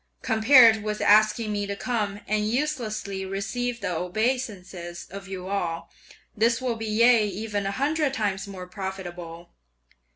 Compared with asking me to come, and uselessly receive the obeisances of you all, this will be yea even a hundred times more profitable!